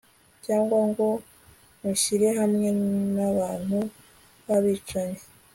cyangwa ngo unshyire hamwe n'abantu b'abicanyi